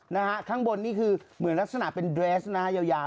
นะฮะข้างบนนี่คือเหมือนลักษณะเป็นเดรสนะฮะยาว